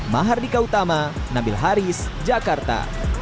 mahardika utama nabil haris jakarta